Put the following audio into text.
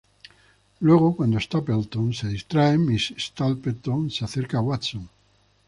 Luego, cuando Stapleton se distrae, Miss Stapleton se acerca a Watson.